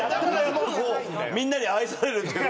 みんなに愛されるという。